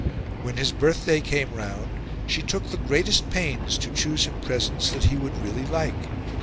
When his birthday came round, she took the greatest pains to choose him presents that he would really like.